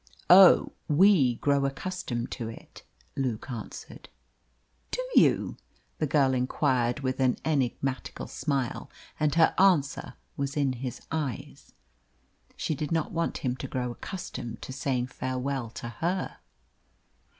"Oh! we grow accustomed to it," Luke answered. "Do you?" the girl inquired, with an enigmatical smile, and her answer was in his eyes. She did not want him to grow accustomed to saying farewell to her.